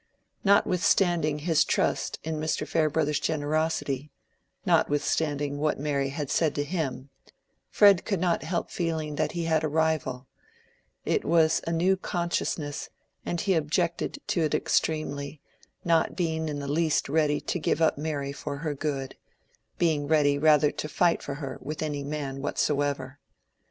Notwithstanding his trust in Mr. Farebrother's generosity, notwithstanding what Mary had said to him, Fred could not help feeling that he had a rival: it was a new consciousness, and he objected to it extremely, not being in the least ready to give up Mary for her good, being ready rather to fight for her with any man whatsoever.